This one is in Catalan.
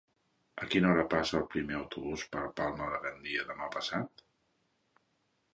A quina hora passa el primer autobús per Palma de Gandia demà passat?